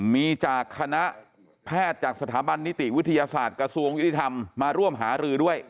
มีจากคณะแพทย์จากสถาบันนิติวิทยาศาสตร์กระทรวงยุติธรรมมาร่วมหารือด้วย